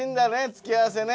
付け合わせね。